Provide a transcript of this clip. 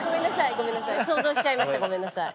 ごめんなさい想像しちゃいましたごめんなさい。